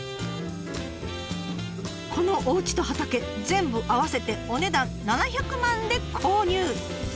このおうちと畑全部合わせてお値段７００万で購入！